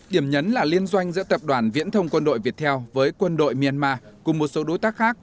điểm nhấn là liên doanh giữa tập đoàn viễn thông quân đội việt theo với quân đội myanmar cùng một số đối tác khác